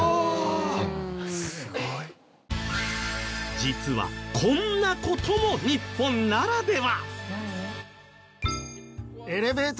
実はこんな事も日本ならでは。